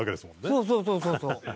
そうそうそうそうそう。